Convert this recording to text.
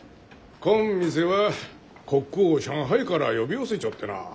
こん店はコックを上海から呼び寄せちょってな。